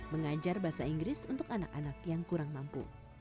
mengajar bahasa inggris untuk anak anak yang kurang mampu